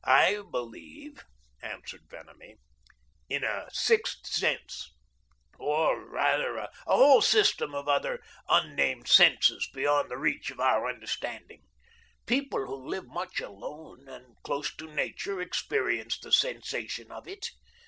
"I believe," answered Vanamee, "in a sixth sense, or, rather, a whole system of other unnamed senses beyond the reach of our understanding. People who live much alone and close to nature experience the sensation of it.